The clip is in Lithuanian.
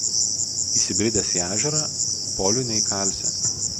Įsibridęs į ežerą polių neįkalsi